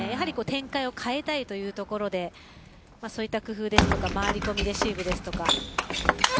展開を変えたいというところでそういった工夫ですとか回り込みレシーブですとか。